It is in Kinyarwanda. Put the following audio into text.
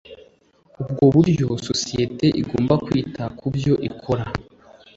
ubwo buryo sosiyete igomba kwita ku byo ikora